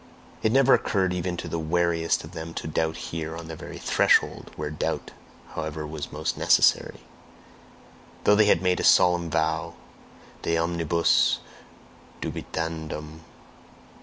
It never occurred even to the wariest of them to doubt here on the very threshold (where doubt, however, was most necessary); though they had made a solemn vow, "DE OMNIBUS DUBITANDUM."